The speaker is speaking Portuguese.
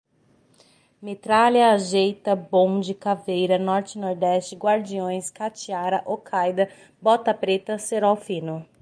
metralha, ajeita, bonde, caveira, norte-nordeste, guardiões, katiara, okaida, bota preta, cerol fino